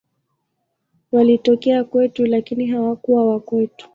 Walitoka kwetu, lakini hawakuwa wa kwetu.